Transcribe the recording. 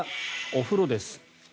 お風呂です。